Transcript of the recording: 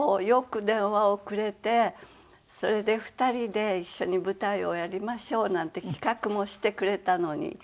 よく電話をくれてそれで２人で一緒に舞台をやりましょうなんて企画もしてくれたのに。